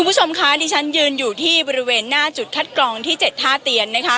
คุณผู้ชมคะดิฉันยืนอยู่ที่บริเวณหน้าจุดคัดกรองที่๗ท่าเตียนนะคะ